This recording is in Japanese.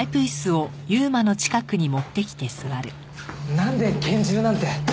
なんで拳銃なんて。